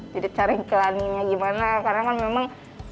jadi cara iklaninnya gimana karena kan memang